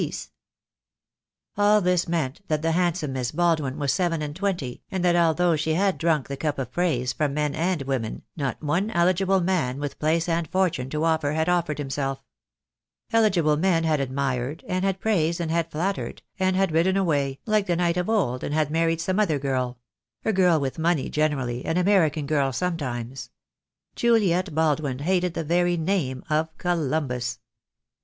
THE DAY WILL COME. 2 1 J All this meant that the handsome Miss Baldwin was seven an d twenty, and that although she had drunk the cup of praise from men and women, not one eligible man with place and fortune to offer had offered himself. Eligible men had admired and had praised and had flattered, and had ridden away, like the knight of old, and had married some other girl; a girl with money generally, an American girl sometimes. Juliet Baldwin hated the very name of Columbus.